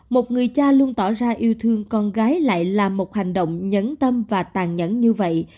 một người cha luôn tỏ ra yêu thương con gái lại là một hành động nhẫn tâm và tàn nhẫn như vậy